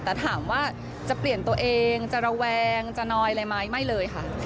แต่ถามว่าจะเปลี่ยนตัวเองจะระแวงจะนอยอะไรไหมไม่เลยค่ะ